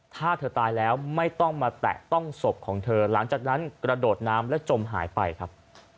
ถ้าเธอตายแล้วไม่ต้องมาแตะต้องศพของเธอหลังจากนั้นกระโดดน้ำและจมหายไปครับ